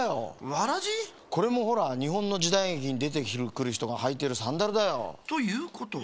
これもほらにほんのじだいげきにでてくるひとがはいてるサンダルだよ。ということは？